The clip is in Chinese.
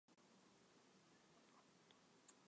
伊豆半岛是菲律宾海板块的最北端。